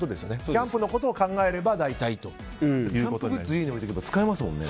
キャンプのことを考えれば大体ということですね。